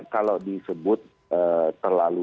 kalau disebut terlalu